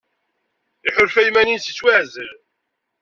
Iḥulfa i yiman-nnes yettwaɛzel.